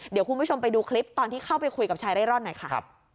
เดี๋ยวคุณผู้ชมไปดูคลิปตอนที่เข้าไปคุยกับชายเร่ร่อนหน่อยค่ะ